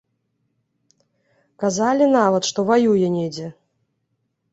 Казалі нават, што ваюе недзе.